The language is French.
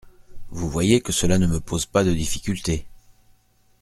Vous voyez que cela ne me pose pas de difficultés.